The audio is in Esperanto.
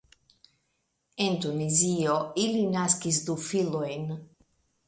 En Tunizio ili naskis du filojn.